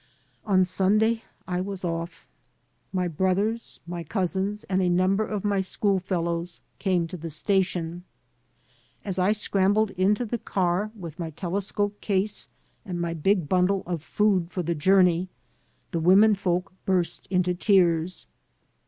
On Sunday I was off. My brothers, my cousins, and a number of my schoolfellows came to the station. As I scrambled into the car with my telescope case and my big bundle of food for the journey, the women folks burst into tears.